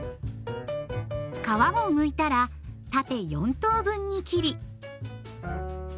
皮をむいたら縦４等分に切り。